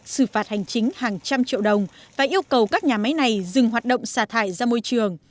xử phạt hành chính hàng trăm triệu đồng và yêu cầu các nhà máy này dừng hoạt động xả thải ra môi trường